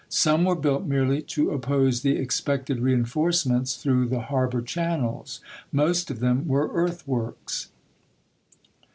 Some were built merely to oppose the expected reenforce ments through the harbor channels ; most of them were earth works.